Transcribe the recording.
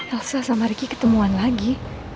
aksa sama ricky ketemuan lagi